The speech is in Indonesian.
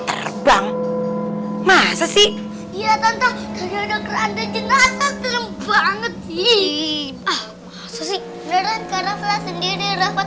terbang masa sih iya tante karena keranda jenazah terbang banget sih ah masa sih